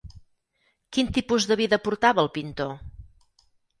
Quin tipus de vida portava el pintor?